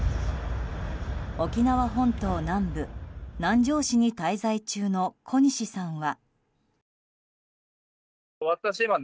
沖縄本島南部、南城市に滞在中の小西さんは。